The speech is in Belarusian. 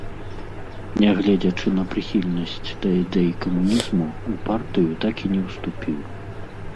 Нягледзячы на прыхільнасць да ідэй камунізму, у партыю так і не ўступіў.